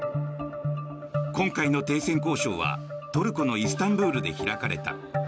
今回の停戦交渉はトルコのイスタンブールで開かれた。